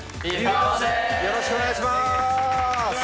よろしくお願いします。